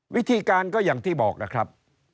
วิธีการก็อย่างที่บอกนะครับ